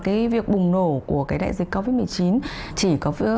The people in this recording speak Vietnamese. cái việc bùng nổ của cái đại dịch covid một mươi chín